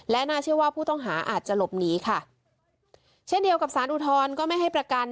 และน่าเชื่อว่าผู้ต้องหาอาจจะหลบหนีค่ะเช่นเดียวกับสารอุทธรณ์ก็ไม่ให้ประกัน